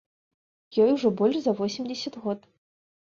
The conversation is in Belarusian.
Ёй ужо больш за восемдзесят год.